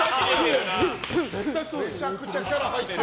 めちゃくちゃキャラ入ってる。